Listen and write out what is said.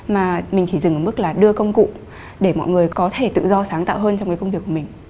mà mình chỉ dừng ở mức là đưa công cụ để mọi người có thể tự do sáng tạo hơn trong cái công việc của mình